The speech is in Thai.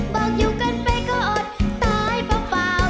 บอกอยู่กันไปก่อนตายเปล่า